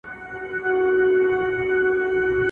په خوب کي وسوسه ورته راځي